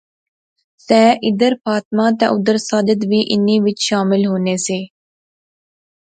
تہ ادھر فاطمہ تہ اُدھر ساجد وی انیں وچ شامل ہونے سے